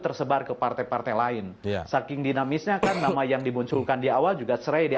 tersebar ke partai partai lain saking dinamisnya kan nama yang dimunculkan di awal juga serai di